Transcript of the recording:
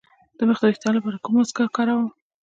د مخ د ويښتانو لپاره کوم ماسک وکاروم؟